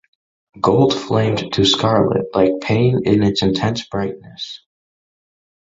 Gold flamed to scarlet, like pain in its intense brightness.